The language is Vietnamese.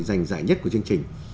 giành giải nhất của chương trình